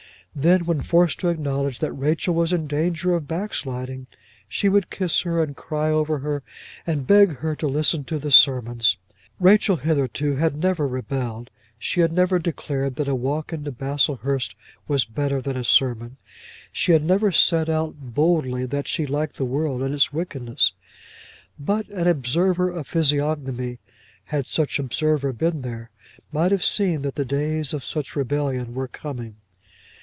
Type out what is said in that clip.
Then, when forced to acknowledge that Rachel was in danger of backsliding, she would kiss her and cry over her, and beg her to listen to the sermons. Rachel hitherto had never rebelled. She had never declared that a walk into Baslehurst was better than a sermon. She had never said out boldly that she liked the world and its wickednesses. But an observer of physiognomy, had such observer been there, might have seen that the days of such rebellion were coming.